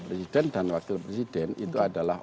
presiden dan wakil presiden itu adalah